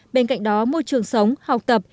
bên cạnh đó môi trường sống học tập